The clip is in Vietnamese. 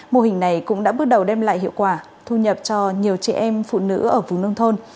mô hình này cũng đã bước đầu đem lại hiệu quả thu nhập cho nhiều chị em phụ nữ ở vùng nông thôn